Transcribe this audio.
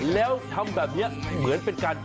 แล้วทำแบบนี้เหมือนเป็นการ